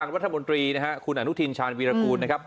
รัฐมนตรีนะฮะคุณอนุทินชาญวีรกูลนะครับ